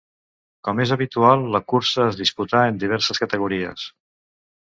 Com és habitual, la cursa es disputà en diverses categories.